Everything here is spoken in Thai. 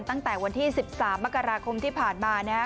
ตั้งแต่วันที่๑๓มกราคมที่ผ่านมานะครับ